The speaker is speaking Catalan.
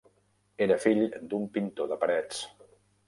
Era fill d'un pintor de parets.